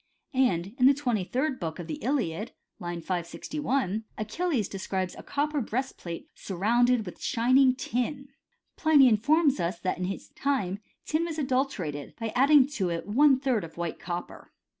* And in the twenty third book of the Iliad (line 561), Achilles describes a copper breastplate surrounded with shining tin (^tivov Kcuratrepoio). Pliny informs us, that in his time tin was adulterated by adding to it about one third of white copper.